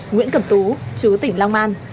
nguyễn cẩm tú chú tỉnh long an